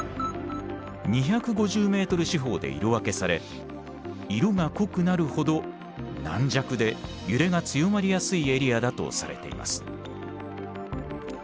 ２５０ｍ四方で色分けされ色が濃くなるほど軟弱で揺れが強まりやすいエリアだとされています。